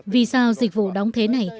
vì sao dịch vụ đóng thế này